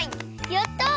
やった！